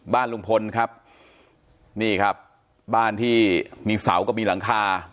บ้านลุงพลครับนี่ครับบ้านที่มีเสาก็มีหลังคา